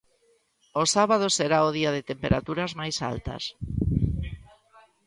O sábado será o día de temperaturas máis altas.